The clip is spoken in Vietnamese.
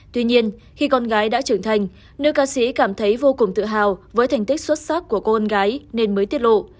tuy nhiên khi con gái đã trưởng thành nữ ca sĩ cảm thấy vô cùng tự hào với thành tích xuất sắc của côn gái nên mới tiết lộ